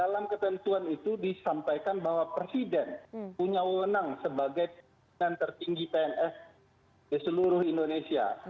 dalam ketentuan itu disampaikan bahwa presiden punya wewenang sebagai pimpinan tertinggi pns di seluruh indonesia